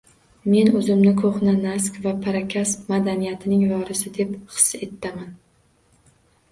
Men o‘zimni ko‘hna Nask va Parakas madaniyatining vorisi deb his etaman